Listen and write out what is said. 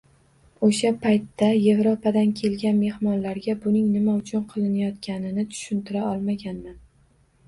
O‘sha paytda Yevropadan kelgan mehmonlarga buning nima uchun qilinayotganini tushuntira olmaganman.